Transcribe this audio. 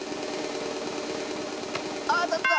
ああたった！